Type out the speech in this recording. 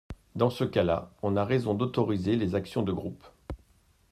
Dans ce cas-là, on a raison d’autoriser les actions de groupe.